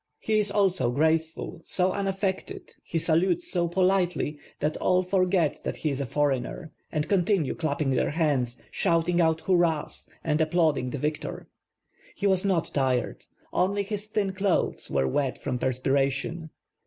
lie is so graceful, so unaflfectcd, he salutes so politely that all forget that he is a foreigner and continue clapping their hands, shouting out hurrahs and applauding the victor. He was not tired. Only his thin clothes were wet from perspiration.